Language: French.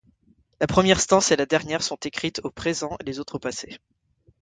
La première stance et la dernière sont écrites au présent, les autres au passé.